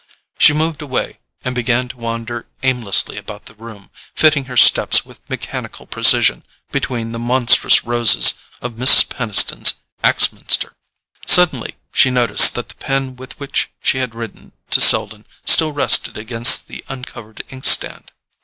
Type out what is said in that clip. She moved away, and began to wander aimlessly about the room, fitting her steps with mechanical precision between the monstrous roses of Mrs. Peniston's Axminster. Suddenly she noticed that the pen with which she had written to Selden still rested against the uncovered inkstand.